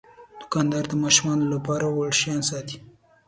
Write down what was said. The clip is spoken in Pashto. دوکاندار د ماشومانو لپاره وړ شیان ساتي.